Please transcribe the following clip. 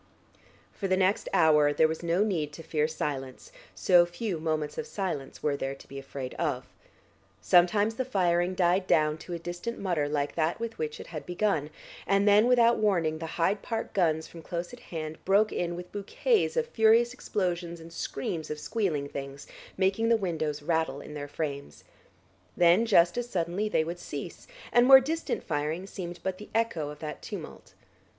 For the next hour there was no need to fear silence, so few moments of silence were there to be afraid of. Sometimes the firing died down to a distant mutter like that with which it had begun, and then without warning the Hyde Park guns from close at hand broke in with bouquets of furious explosions and screams of squealing things, making the windows rattle in their frames. Then, just as suddenly, they would cease, and more distant firing seemed but the echo of that tumult.